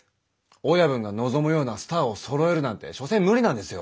親分が望むようなスターをそろえるなんて所詮無理なんですよ。